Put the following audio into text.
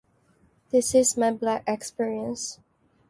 That is my black experience.